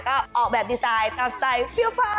ก็ออกแบบดีไซน์ตามสไตล์เฟี้ยวฟ้า